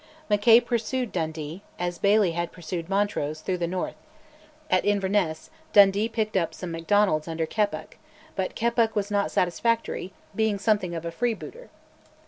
Mackay pursued Dundee, as Baillie had pursued Montrose, through the north: at Inverness, Dundee picked up some Macdonalds under Keppoch, but Keppoch was not satisfactory, being something of a freebooter.